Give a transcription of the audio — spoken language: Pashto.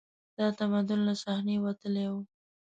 دا تمدن له صحنې وتلی و